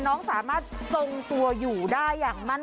สองขาโชว์ไปเลย